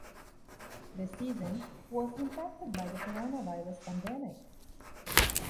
The season was impacted by the coronavirus pandemic.